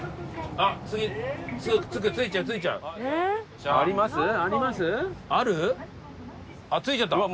あっ着いちゃった。